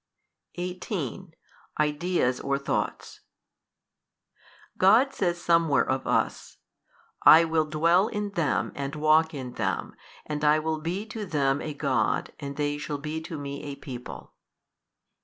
18. Ideas or thoughts 18. God says somewhere of us, I will dwell in them and walk in them and I will be to them a God and they shall be to Me a people.